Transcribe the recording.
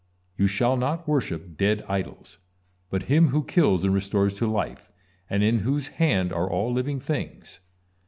You shall not worship dead idols, but Him who kills and restores to life, and in whose hand are all living things.